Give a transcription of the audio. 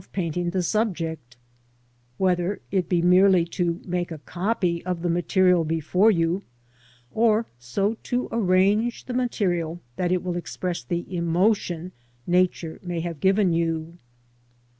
37 painting the subject ; whether it be merely to make a copy of the , material before you, or so to arrange the material that it will express the emotion Nature may have given you.